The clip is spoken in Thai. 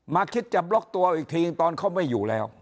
คิดจะบล็อกตัวอีกทีตอนเขาไม่อยู่แล้ว